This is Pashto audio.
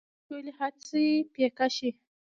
ټولې هڅې پيکه شي